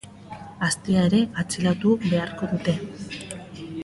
Aztia ere atxilotu beharko dute.